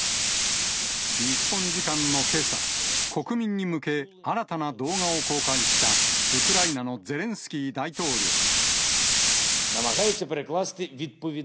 日本時間のけさ、国民に向け、新たな動画を公開したウクライナのゼレンスキー大統領。